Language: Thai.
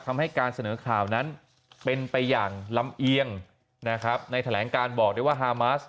ทำให้การเสนอข่าวนั้นเป็นไปอย่างลำเอียงนะครับในแถลงการบอกได้ว่าฮามาส